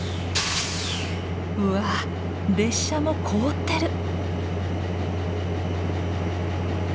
うわ列車も凍ってる！